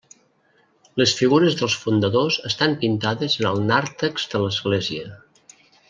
Les figures dels fundadors estan pintades en el nàrtex de l'església.